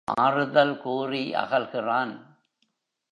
ஆறுதல் கூறி அகல்கிறான்.